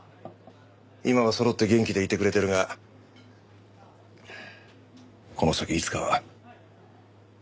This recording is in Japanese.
今はそろって元気でいてくれてるがこの先いつかは。